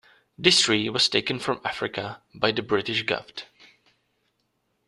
This tree was taken from Africa by the British govt.